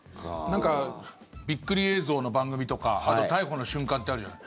なんかびっくり映像の番組とかあと逮捕の瞬間ってあるじゃん。